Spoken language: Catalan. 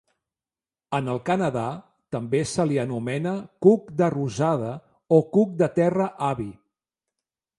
En el Canadà, també se li anomena cuc de rosada, o "Cuc de terra avi".